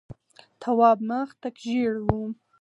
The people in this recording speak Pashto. تواب مخ تک ژېړ و.